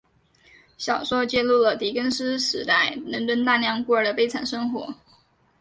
小说揭露了狄更斯时代伦敦大量孤儿的悲惨生活。